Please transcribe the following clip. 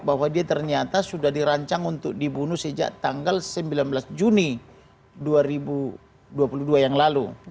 bahwa dia ternyata sudah dirancang untuk dibunuh sejak tanggal sembilan belas juni dua ribu dua puluh dua yang lalu